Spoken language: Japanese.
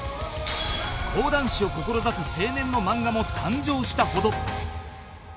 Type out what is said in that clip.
講談師を志す青年の漫画も誕生したほど